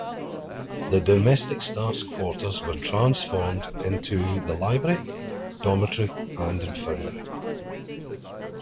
The domestic staff's quarters were transformed into the library, dormitory and infirmary.